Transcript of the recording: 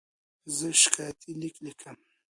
زه شکایتي لیک لیکم.